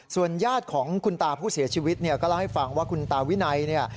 ส่วนญาติของคุณตาผู้เสียชีวิตเนี่ยก็เล่าให้ฟังว่าคุณตาวินัยเนี่ย